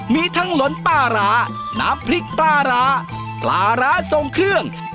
มีทั้งหลนปลาร้าน้ำพริกปลาร้าปลาร้าทรงเครื่อง